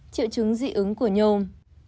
triệu chứng dị ứng của nhôm